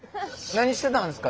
何してたんですか？